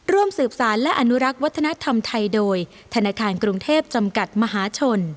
ร่วมสืบสารและอนุรักษ์วัฒนธรรมไทยโดยธนาคารกรุงเทพจำกัดมหาชน